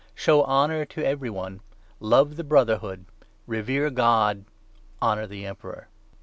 Show honour 17 to every one. Love the Brotherhood, ' revere God, honour the emperor.'